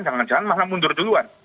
jangan jangan malah mundur duluan